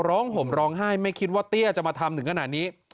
ห่มร้องไห้ไม่คิดว่าเตี้ยจะมาทำถึงขนาดนี้